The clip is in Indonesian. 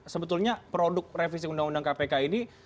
sebetulnya produk revisi undang undang kpk ini